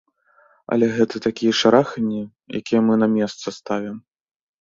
Але гэта такія шараханні, якія мы на месца ставім.